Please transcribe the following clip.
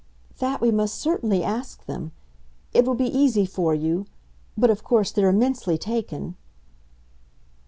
"That we must certainly ask them. It will be easy for you. But of course they're immensely taken